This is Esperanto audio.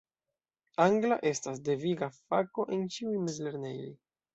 Angla estas deviga fako en ĉiuj mezlernejoj.